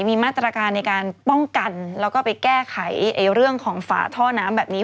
มีมาตรการในการป้องกันแล้วก็ไปแก้ไขเรื่องของฝาท่อน้ำแบบนี้